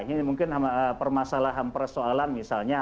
kalau misalnya permasalahan persoalan misalnya